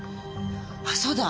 あっそうだ！